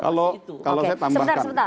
kalau saya tambahkan